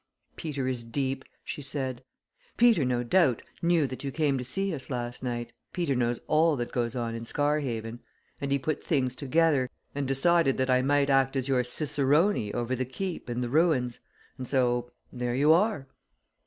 "Oh Peter is deep!" she said. "Peter, no doubt, knew that you came to see us last night Peter knows all that goes on in Scarhaven. And he put things together, and decided that I might act as your cicerone over the Keep and the ruins, and so there you are!"